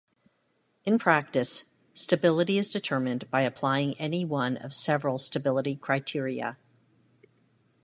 In practice, stability is determined by applying any one of several stability criteria.